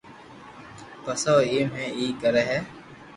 پسي او ايم اي ڪري ھي